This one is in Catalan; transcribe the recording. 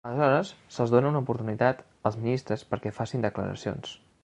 Aleshores, se'ls dona una oportunitat als ministres perquè facin declaracions.